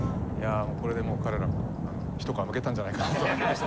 いやこれでもう彼らも一皮むけたんじゃないかなと。